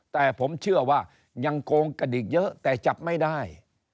แต่ผมเชื่อว่ายังโกงกระดิกเยอะแต่จับไม่ได้